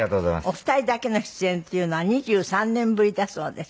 お二人だけの出演っていうのは２３年ぶりだそうです。